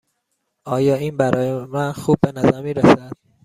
آیا این برای من خوب به نظر می رسد؟